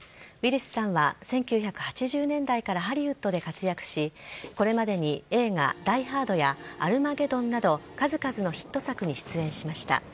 ウィリスさんは１９８０年代からハリウッドで活躍しこれまでに映画「ダイ・ハード」や「アルマゲドン」など数々のヒット作に出演しました。